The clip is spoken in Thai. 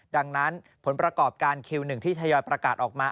ดังนั้นผลประกอบการคิวหนึ่งที่ทยอยประกาศออกมา